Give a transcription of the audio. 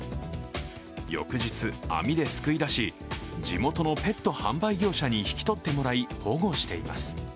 翌日、網ですくい出し地元のペット販売業者に引き取ってもらい、保護しています